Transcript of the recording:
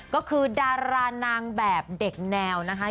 ก็คือดารานางแบบเด็กแนวนะคะ